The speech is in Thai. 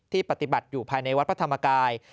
ปฏิบัติอยู่ภายในวัดพระธรรมกาย